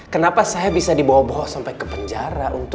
kenapa saya bisa dibawa bawa sampai ke penjara